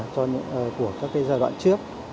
của các giai đoạn trước